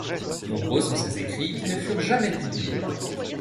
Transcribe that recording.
Nombreux sont ses écrits qui ne furent jamais publiés.